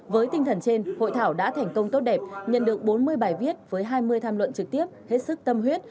với tinh thần trên hội thảo đã thành công tốt đẹp nhận được bốn mươi bài viết với hai mươi tham luận trực tiếp hết sức tâm huyết